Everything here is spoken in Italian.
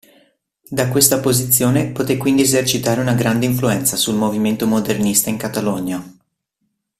Da questa posizione poté quindi esercitare una grande influenza sul movimento modernista in Catalogna.